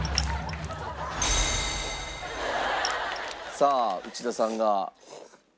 さあ内田さんが。